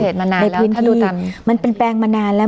เป็นแปลงเกษตรมานานแล้วถ้าดูตามมันเป็นแปลงมานานแล้ว